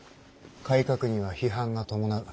改革には批判が伴う。